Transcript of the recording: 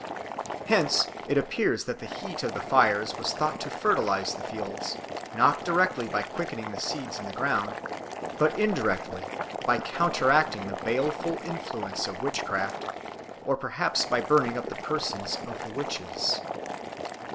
Hence it appears that the heat of the fires was thought to fertilise the fields, not directly by quickening the seeds in the ground, but indirectly by counteracting the baleful influence of witchcraft or perhaps by burning up the persons of the witches.